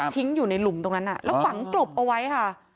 อยู่ในหลุมตรงนั้นแล้วฝังกลบเอาไว้ค่ะ